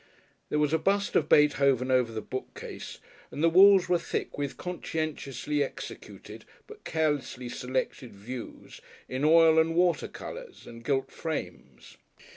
There was a bust of Beethoven over the bookcase and the walls were thick with conscientiously executed but carelessly selected "views" in oil and water colours and gilt frames.